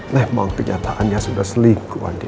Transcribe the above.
memang kenyataannya sudah selingkuh